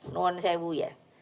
nuan sewu ya